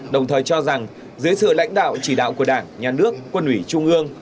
đồng thời cho rằng dưới sự lãnh đạo chỉ đạo của đảng nhà nước quân ủy trung ương